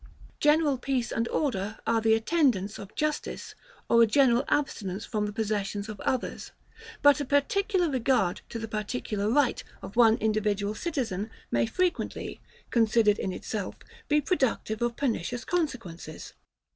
General peace and order are the attendants of justice or a general abstinence from the possessions of others; but a particular regard to the particular right of one individual citizen may frequently, considered in itself, be productive of pernicious consequences.